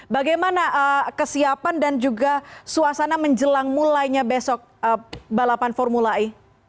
bagaimana kesiapan dan juga suasana menjelang mulainya besok balapan formula e